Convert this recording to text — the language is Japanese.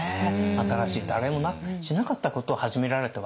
新しい誰もしなかったことを始められたわけですから。